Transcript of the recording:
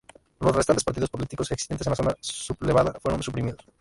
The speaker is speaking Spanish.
Los restantes partidos políticos existentes en la zona sublevada fueron suprimidos.